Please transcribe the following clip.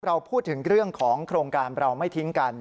เราพูดถึงเรื่องของโครงการเราไม่ทิ้งกัน